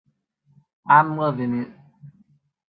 I'm loving it.